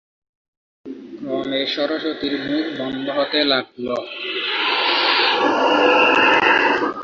ক্রমে সরস্বতীর মুখ বন্ধ হতে লাগল।